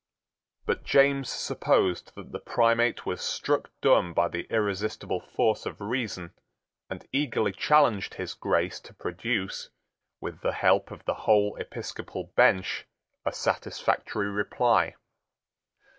But James supposed that the Primate was struck dumb by the irresistible force of reason, and eagerly challenged his Grace to produce, with the help of the whole episcopal bench, a satisfactory reply.